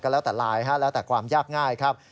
แล้วแต่ลายแล้วแต่ความยากง่ายครับ